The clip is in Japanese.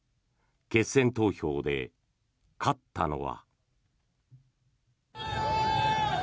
決選投票で勝ったのは。